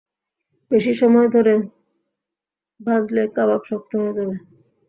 বেশি সময় ধরে ভাঁজলে কাবাব শক্ত হয়ে যাবে।